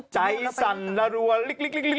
ใจสั่นละรัวลิก